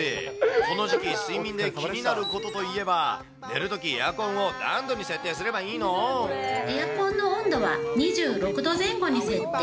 この時期、睡眠で気になることといえば、寝るとき、エアコンを何度に設定エアコンの温度は２６度前後に設定。